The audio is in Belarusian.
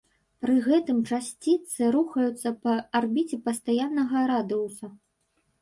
Пры гэтым часціцы рухаюцца па арбіце пастаяннага радыуса.